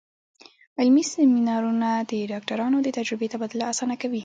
علمي سیمینارونه د ډاکټرانو د تجربې تبادله اسانه کوي.